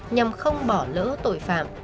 nhằm không bỏ lỡ tội phạm